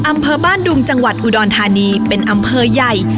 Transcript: อำเภอบ้านดุงจังหวัดอุดรธานีเป็นอำเภอใหญ่